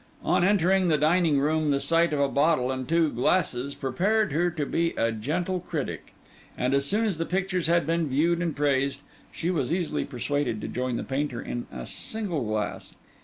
On entering the dining room, the sight of a bottle and two glasses prepared her to be a gentle critic; and as soon as the pictures had been viewed and praised, she was easily persuaded to join the painter in a single glass.